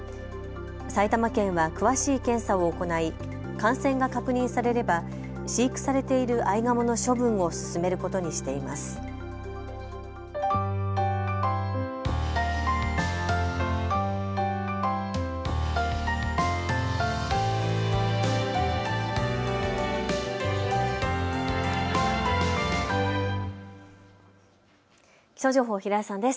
埼玉県は詳しい検査を行い感染が確認されれば飼育されているアイガモの処分を進めることにしています。